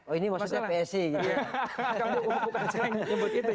oh ini maksudnya psi gitu ya